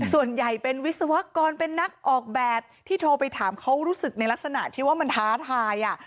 ส่วนใหญ่เป็นวิศวกรเป็นนักออกแบบที่โทรไปถามเขารู้สึกในลักษณะที่ว่ามันท้าทาย